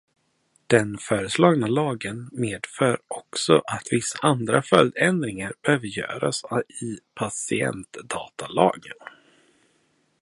Den föreslagna lagen medför också att vissa andra följdändringar behöver göras i patientdatalagen.